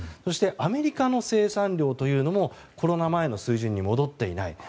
アメリカの生産量というのもコロナ前の水準に戻っていない。